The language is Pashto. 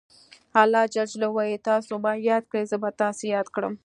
الله ج وایي تاسو ما یاد کړئ زه به تاسې یاد کړم.